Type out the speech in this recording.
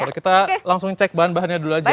oke kita langsung cek bahan bahannya dulu aja